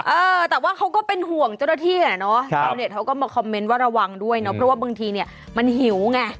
เออแต่ว่าเขาก็เป็นห่วงเจ้าหน้าที่เนี่ยเนอะ